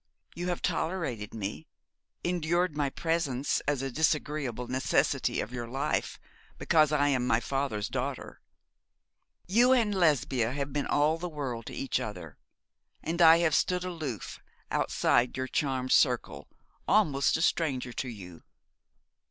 You have tolerated me, endured my presence as a disagreeable necessity of your life, because I am my father's daughter. You and Lesbia have been all the world to each other; and I have stood aloof, outside your charmed circle, almost a stranger to you.